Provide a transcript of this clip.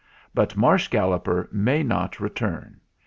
But Marsh Galloper may not return.